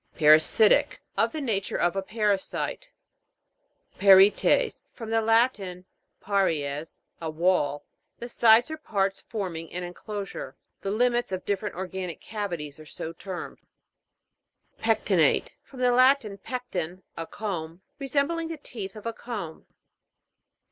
PARASI'TIC. Of the nature of a parasite. PARI'ETES. From the Latin, pari'es, a wall. The sides or parts form ing an enclosure ; the limits of different organic cavities are so termed. PEC'TINATE. From the Latin, pecten, a comb. Resembling the teeth of a comb.